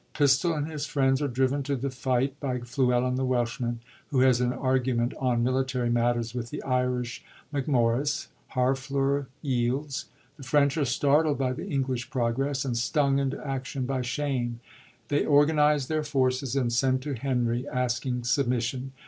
Pistol and his friends are driven to the fight by Fluellen the Welshman, who has an argu ment on military matters with the Irish Macmorris. Harfleur yields. The French are startled by the English progress, and stung into action by shame. They organise their forces, and send to Henry asking submission.